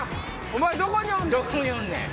お前どこにおんねん？